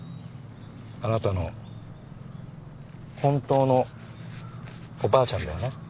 あなたの本当のおばあちゃんだよね？